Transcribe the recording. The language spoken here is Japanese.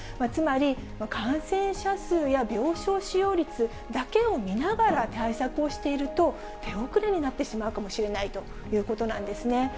つまり、感染者数や病床使用率だけを見ながら対策をしていると、手遅れになってしまうかもしれないということなんですね。